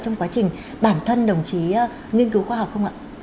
trong quá trình bản thân đồng chí nghiên cứu khoa học không ạ